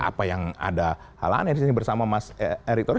apa yang ada hal aneh disini bersama mas erick tori